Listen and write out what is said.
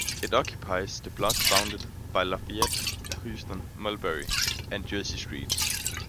It occupies the block bounded by Lafayette, Houston, Mulberry and Jersey Streets.